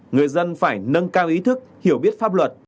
người dân phải nâng cao ý thức hiểu biết pháp luật